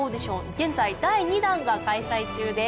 現在第２弾が開催中です。